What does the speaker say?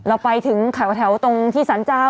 เราไปถึงแถวตรงที่สรรเจ้า